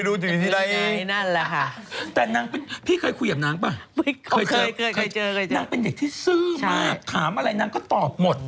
นางเริ่มดังจากคันหูใช่ไหม